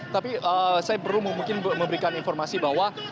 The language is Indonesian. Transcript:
tapi saya perlu mungkin memberikan informasi bahwa